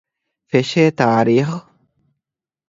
ފެށޭ ތާރީޚު